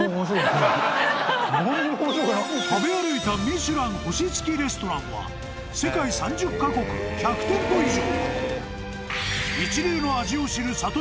［食べ歩いた『ミシュラン』星付きレストランは世界３０カ国１００店舗以上］